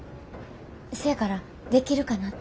せやからできるかなって。